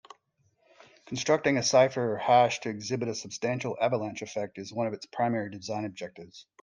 Constructing a cipher or hash to exhibit a substantial avalanche effect is one of its primary design objectives.